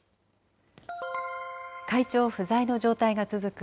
会長不在の状態が続く